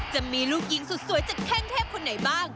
จะมีลูกยิงสุดสวยจากแข้งเทพคนไหนบ้าง